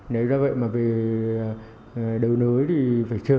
nếu do vậy mà về đầu nối thì phải chờ